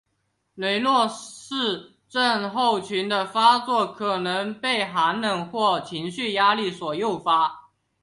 雷诺氏症候群的发作可能被寒冷或是情绪压力所诱发。